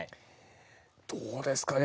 どうですかね